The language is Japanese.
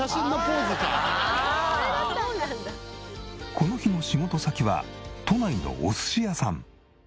この日の仕事先は都内のお寿司屋さん。